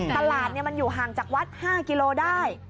ตลาดมันอยู่ห่างจากวัด๕กิโลได้